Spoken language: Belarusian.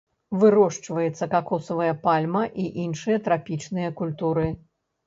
Вырошчваецца какосавая пальма і іншыя трапічныя культуры.